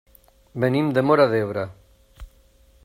Venim de Móra d'Ebre.